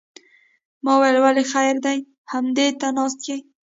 ما ویل ولې خیر دی همدې ته ناست یې.